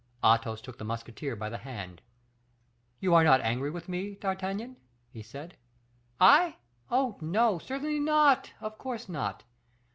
Athos took the musketeer by the hand. "You are not angry with me, D'Artagnan?" he said. "I! oh, no! certainly not; of course not.